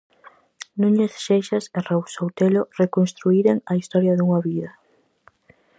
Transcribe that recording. Núñez Seixas e Raúl Soutelo reconstruíren a historia dunha vida.